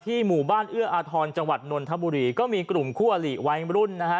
ที่หมู่บ้านเอื้ออาธรณ์จังหวัดนวลธะบุรีก็มีกลุ่มคั่วหลีวัยมรุ่นนะฮะ